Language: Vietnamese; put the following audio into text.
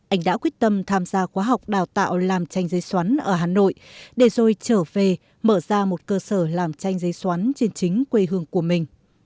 anh đã quyết tâm tham gia quá học đào tạo làm tranh giấy xoắn ở hà nội để rồi trở về mở ra một cơ sở làm tranh giấy xoắn trên chính quê hương của mình